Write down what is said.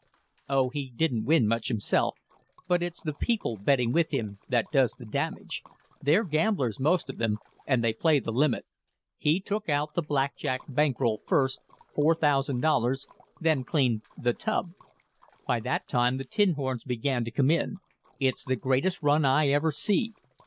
"Oh, he didn't win much himself, but it's the people betting with him that does the damage! They're gamblers, most of them, and they play the limit. He took out the Black Jack bank roll first, $4,000, then cleaned the 'Tub.' By that time the tin horns began to come in. It's the greatest run I ever see."